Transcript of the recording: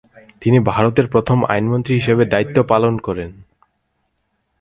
তিনি ভারতের প্রথম আইনমন্ত্রী হিসেবে দায়িত্ব পালন করেন ।